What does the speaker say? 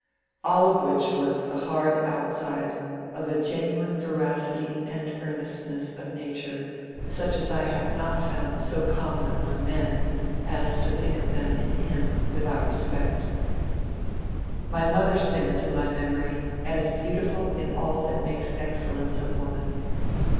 All of which was the hard outside of a genuine veracity and earnestness of nature such as I have not found so common among men as to think of them in him without respect. My mother stands in my memory as beautiful in all that makes excellence of woman.